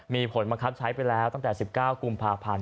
มีผลบังคับใช้ไปแล้วตั้งแต่๑๙กุมภาพันธ์